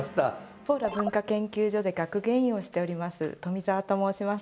ポーラ文化研究所で学芸員をしております富澤と申します。